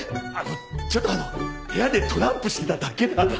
ちょっとあの部屋でトランプしてただけだって。